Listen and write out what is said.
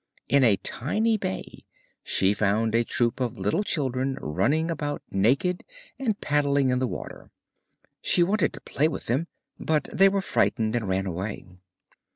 In a tiny bay she found a troop of little children running about naked and paddling in the water; she wanted to play with them, but they were frightened and ran away.